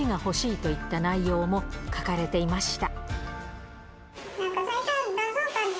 といった内容も書かれていました